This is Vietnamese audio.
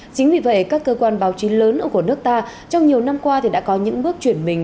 chính vì vậy các cơ quan báo chí lớn ở nước ta trong nhiều năm qua đã có những bước chuyển mình